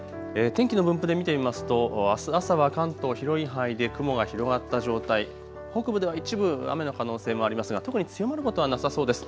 天気の分布で見てみますとあす朝は関東、広い範囲で雲が広がった状態、北部では一部、雨の可能性もありますが特に強まることはなさそうです。